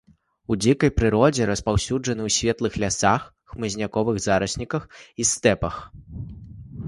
У дзікай прыродзе распаўсюджаны ў светлых лясах, хмызняковых зарасніках і стэпах.